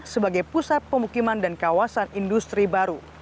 sebagai pusat pemukiman dan kawasan industri baru